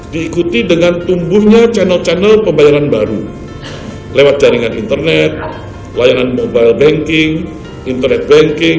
diikuti dengan tumbuhnya channel channel pembayaran baru lewat jaringan internet layanan mobile banking internet banking